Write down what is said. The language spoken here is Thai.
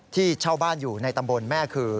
เช่าบ้านอยู่ในตำบลแม่คือ